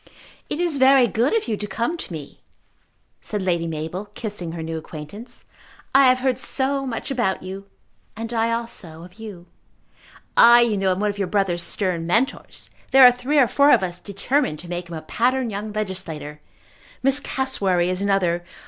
"It is very good of you to come to me," said Lady Mabel, kissing her new acquaintance. "I have heard so much about you." "And I also of you." "I, you know, am one of your brother's stern Mentors. There are three or four of us determined to make him a pattern young legislator. Miss Cassewary is another.